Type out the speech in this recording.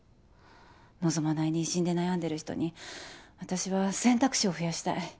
望まない妊娠で悩んでる人に私は選択肢を増やしたい。